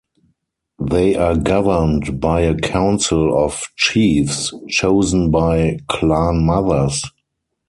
They are governed by a council of chiefs, chosen by clanmothers.